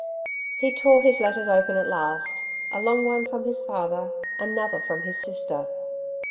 He tore his letters open at last. A long one from his father, another from his sister.